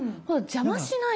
邪魔はしない。